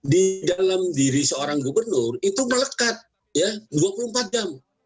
di dalam diri seorang gubernur itu melekat ya dua puluh empat jam